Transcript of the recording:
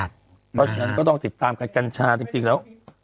เพราะฉะนั้นก็ต้องติดตามกันกัญชาจริงแล้ว